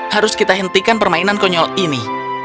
harus kita hentikan permainan konyol ini